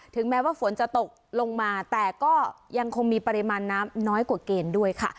แม้ว่าฝนจะตกลงมาแต่ก็ยังคงมีปริมาณน้ำน้อยกว่าเกณฑ์ด้วยค่ะ